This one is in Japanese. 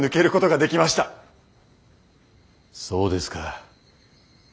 そうですか。